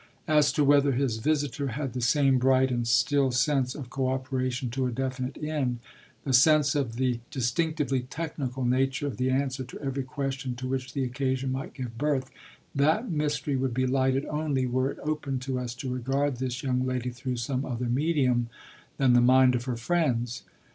As to whether his visitor had the same bright and still sense of co operation to a definite end, the sense of the distinctively technical nature of the answer to every question to which the occasion might give birth, that mystery would be lighted only were it open to us to regard this young lady through some other medium than the mind of her friends.